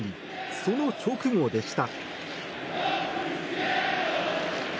その直後でした。